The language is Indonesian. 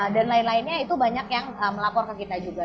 dan lain lainnya itu banyak yang melapor ke kita juga